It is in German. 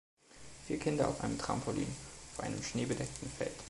Vier Kinder auf einem Trampolin, auf einem schneebedeckten Feld.